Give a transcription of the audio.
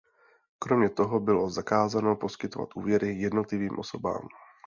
Kromě toho bylo zakázáno poskytovat úvěry jednotlivým osobám.